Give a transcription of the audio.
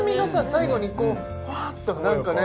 最後にこうファっと何かね